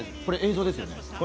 これ映像ですよね？